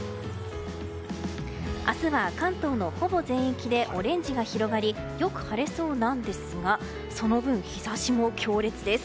明日は関東のほぼ全域でオレンジが広がりよく晴れそうなんですがその分、日差しも強烈です。